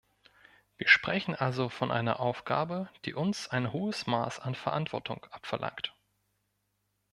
Wir sprechen also von einer Aufgabe, die uns ein hohes Maß an Verantwortung abverlangt.